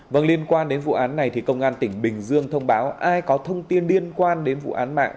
vâng liên quan đến vụ án này thì công an tỉnh bình dương thông báo ai có thông tin liên quan đến vụ án mạng